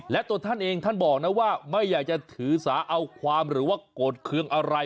และตัวท่านเองท่านบอกนะว่าไม่อยากจะถือสาเอาความหรือว่าโกรธเครื่องอะไร